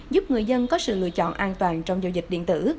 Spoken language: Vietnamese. giúp người dân có sự lựa chọn an toàn trong giao dịch điện tử